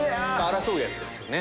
争うやつですね。